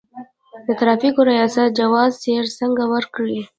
د ترافیکو ریاست جواز سیر څنګه ورکوي؟